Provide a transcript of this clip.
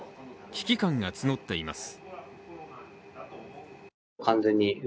危機感が募っています。